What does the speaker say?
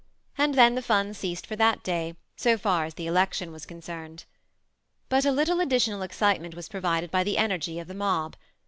And then the fun ceased for that day, so far as the election was concerned. But a little additional excitement was provided by the energy of the mob.